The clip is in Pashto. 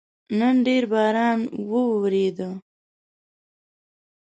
نن ډېر باران وورېده